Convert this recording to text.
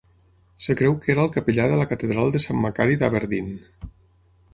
Es creu que era el capellà de la catedral de Sant Macari d'Aberdeen.